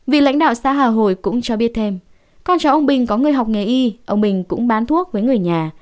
vì lãnh đạo xã hà hồi cũng cho biết thêm con cháu ông bình có người học nghề y ông bình cũng bán thuốc với người nhà